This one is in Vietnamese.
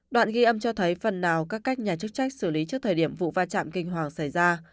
đoạn ghi âm cho thấy phần nào các cách nhà chức trách xử lý trước thời điểm vụ va chạm kinh hoàng xảy ra